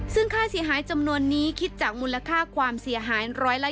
ซึ่งค่าเสียหายจำนวนนี้คิดจากมูลค่าความเสียหาย๑๓